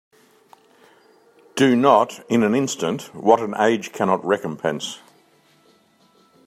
Do not in an instant what an age cannot recompense.